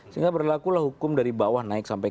sehingga berlakulah hukum dari bawah naik sampai